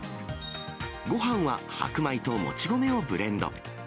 ごはんは白米ともち米をブレンド。